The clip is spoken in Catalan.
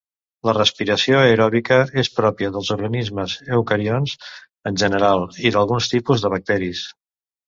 La respiració aeròbica és pròpia dels organismes eucarionts en general i d'alguns tipus de bacteris.